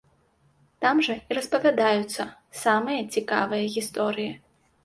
Там жа і распавядаюцца самыя цікавыя гісторыі.